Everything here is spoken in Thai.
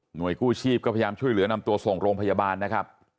กู้ชีพก็พยายามช่วยเหลือนำตัวส่งโรงพยาบาลนะครับ